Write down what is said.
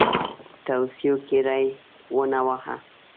توصیو کې ری ونه واهه.